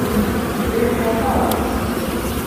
Riɣ-k aṭas.